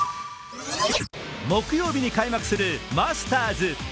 木曜日に開幕するマスターズ。